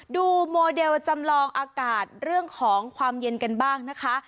โมเดลจำลองอากาศเรื่องของความเย็นกันบ้างนะคะ